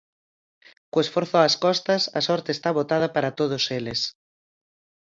Co esforzo ás costas, a sorte está botada para todos eles.